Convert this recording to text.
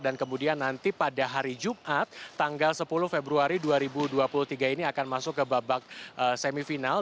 dan kemudian nanti pada hari jumat tanggal sepuluh februari dua ribu dua puluh tiga ini akan masuk ke babak semifinal